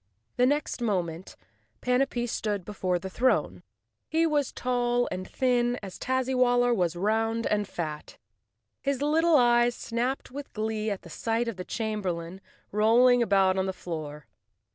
The next moment Panapee stood before the throne.' He was as tall and thin as Tazzywaller was round and fat. His little eyes snapped with glee at sight of the chamberlain rolling about on the floor.